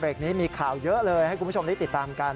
นี้มีข่าวเยอะเลยให้คุณผู้ชมได้ติดตามกัน